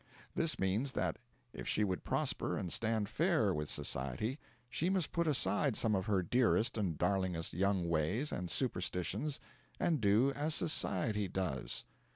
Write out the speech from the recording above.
This means that, if she would prosper and stand fair with society, she must put aside some of her dearest and darlingest young ways and superstitions, and do as society does.